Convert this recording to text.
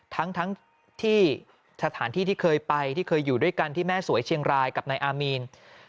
ทั้งที่สถานที่ที่เคยไปที่เคยอยู่ด้วยกันที่แม่สวยเชียงรายกับนายอามีน